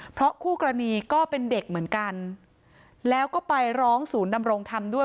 เพราะคู่กรณีก็เป็นเด็กเหมือนกันแล้วก็ไปร้องศูนย์ดำรงธรรมด้วย